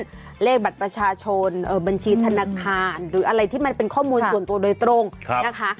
เลขบัตรประชาชนบัญชีธนาคารหรืออะไรที่มันเป็นข้อมูลส่วนตัวโดยตรงนะคะ